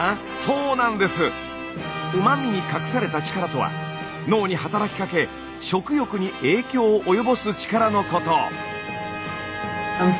うま味に隠された力とは脳に働きかけ食欲に影響を及ぼす力のこと。